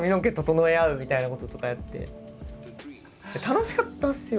楽しかったっすよ